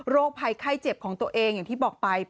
โรคไพ่ไอ้เจ็บของตัวเองอย่างที่บอกตาย